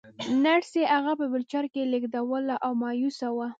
نرسې هغه په ويلچر کې لېږداوه او مايوسه وه.